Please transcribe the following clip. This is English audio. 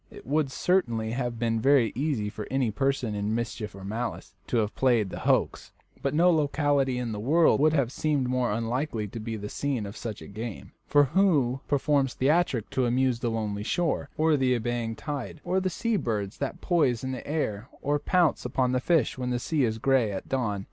It would certainly have been very easy for any person in mischief or malice to have played the hoax, but no locality in the wide world would have seemed more unlikely to be the scene of such a game; for who performs theatricals to amuse the lonely shore, or the ebbing tide, or the sea birds that poise in the air or pounce upon the fish when the sea is gray at dawn?